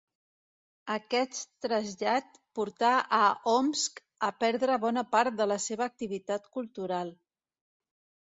Aquest trasllat portà a Omsk a perdre bona part de la seva activitat cultural.